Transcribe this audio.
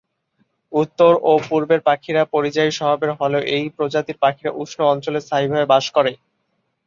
উত্তর ও পূর্বের পাখিরা পরিযায়ী স্বভাবের হলেও এই প্রজাতির পাখিরা উষ্ণ অঞ্চলে স্থায়ী ভাবে বাস করে।